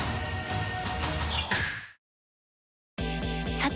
さて！